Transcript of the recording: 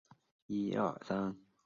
以夜间营业为主。